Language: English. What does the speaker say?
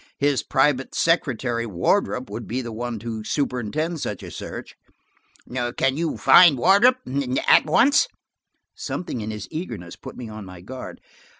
His private secretary, Wardrop, would be the one to superintend such a search." "Can you find Wardrop–at once?" Something in his eagerness put me on my guard.